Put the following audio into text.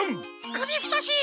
くびふとし！